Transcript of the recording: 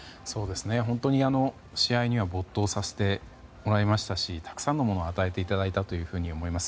本当に試合には没頭させてもらいましたしたくさんのものを与えていただいたと思います。